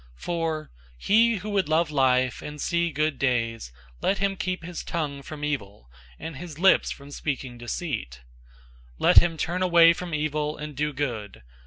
003:010 For, "He who would love life, and see good days, let him keep his tongue from evil, and his lips from speaking deceit. 003:011 Let him turn away from evil, and do good.